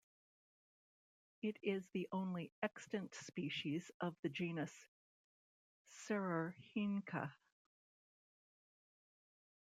It is the only extant species of the genus "Cerorhinca".